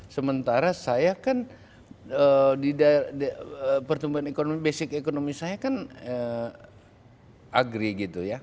sementara saya kan di pertumbuhan ekonomi basic ekonomi saya kan agri gitu ya